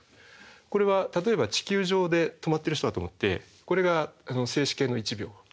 これは例えば地球上で止まってる人だと思ってこれが静止系の１秒。